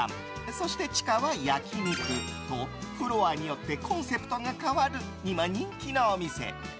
そして地下は焼き肉とフロアによってコンセプトが変わる今、人気のお店。